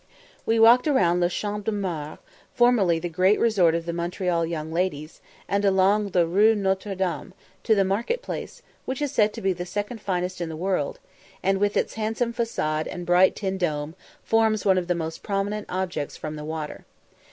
We walked round Le Champ de Mars, formerly the great resort of the Montreal young ladies, and along the Rue Notre Dame, to the market place, which is said to be the second finest in the world, and, with its handsome façade and bright tin dome, forms one of the most prominent objects from the water.